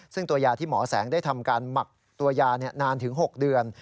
ซึ่งตัวยาที่หมอแสงได้ทำการหมักตัวยานานถึง๖เดือน